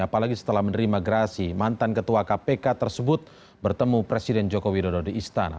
apalagi setelah menerima gerasi mantan ketua kpk tersebut bertemu presiden joko widodo di istana